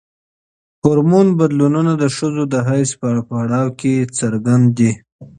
هورمون بدلونونه د ښځو د حیض په پړاو کې څرګند دي.